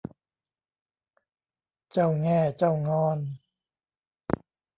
เจ้าแง่เจ้างอน